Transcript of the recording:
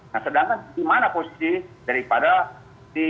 nah sedangkan di mana posisi daripada di sati propang di sambo